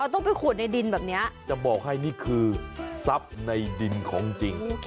ต้องไปขูดในดินแบบนี้จะบอกให้นี่คือทรัพย์ในดินของจริง